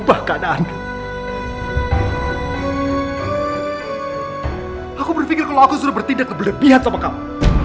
aku berpikir kalau aku sudah bertindak keberlebihan sama kamu